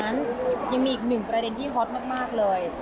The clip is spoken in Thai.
แล้วนอกจากนั้นยังมีอีกหนึ่งประเด็นที่ฮอตมากเลย